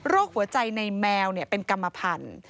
หัวใจในแมวเป็นกรรมพันธุ์